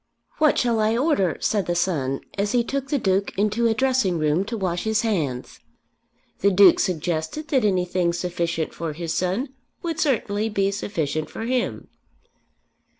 "What shall I order?" said the son as he took the Duke into a dressing room to wash his hands. The Duke suggested that anything sufficient for his son would certainly be sufficient for him.